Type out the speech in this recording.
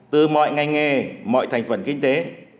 từ mọi ngành nghề mọi thành phần kinh tế